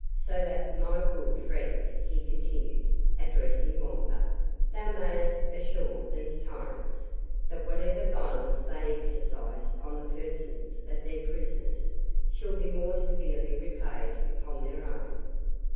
So that, my good friend," he continued, addressing Wamba, "thou mayst assure these tyrants, that whatever violence they exercise on the persons of their prisoners, shall be most severely repaid upon their own."